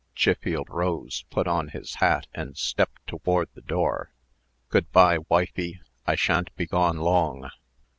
Chiffield rose, put on his hat, and stepped toward the door. "Good by, wifey. I sha'n't be gone long."